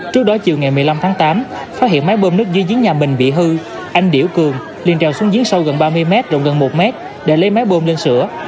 trước đó chiều ngày một mươi năm tháng tám phát hiện máy bơm nước dưới giếng nhà mình bị hư anh điểu cường liền treo xuống giếng sâu gần ba mươi mét rộng gần một mét để lấy máy bơm lên sửa